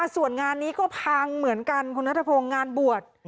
ส่วนงานนี้ก็พังเหมือนกันคุณนัทพงศ์งานบวช